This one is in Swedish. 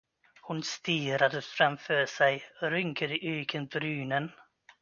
Hon stirrade framför sig, rynkade ögonbrynen.